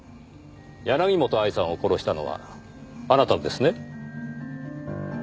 柳本愛さんを殺したのはあなたですね？